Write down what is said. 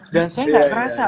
dan saya tidak merasa